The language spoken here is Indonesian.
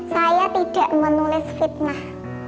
saya tidak menulis fitnah